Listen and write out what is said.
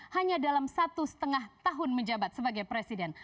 hanya dalam satu setengah tahun menjabat sebagai presiden